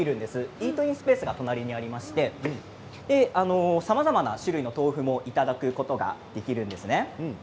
イートインスペースが隣にありましてさまざまな種類の豆腐をいただくことができるんです。